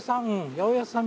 八百屋さん